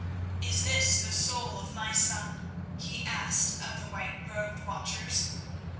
"Is this the soul of my son?" he asked of the whiterobed watchers.